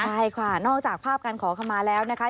ใช่ค่ะนอกจากภาพการขอขมาแล้วนะคะ